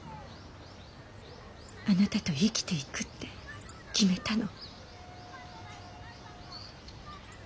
あなたと生きていくって決めたの。